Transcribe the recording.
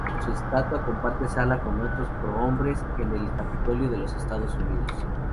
Su estatua comparte sala con otros prohombres en el Capitolio de los Estados Unidos.